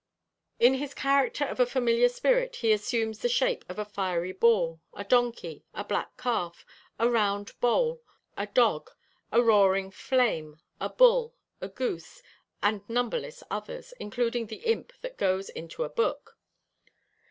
In his character of a familiar spirit he assumes the shape of a fiery ball, a donkey, a black calf, a round bowl, a dog, a roaring flame, a bull, a goose, and numberless others, including the imp that goes into a book.